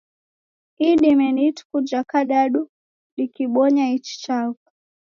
Idime ni ituku ja kadadu dikibonya ichi chaghu